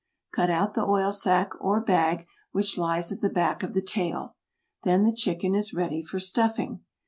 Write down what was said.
Cut out the oil sac or bag which lies at the back of the tail. Then the chicken is ready for stuffing.